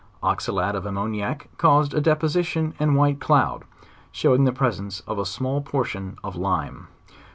Oxylat of am moniac caused a deposition and white cloud, showing the* presence of a small portion of lime.